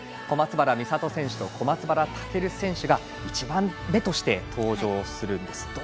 小松原美里選手と小松原尊選手が１番目として登場するんです。